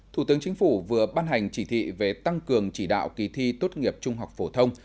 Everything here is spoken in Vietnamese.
thủ tướng chính phủ vừa ban hành chỉ thị về tăng cường chỉ đạo kỳ thi tốt nghiệp trung học phổ thông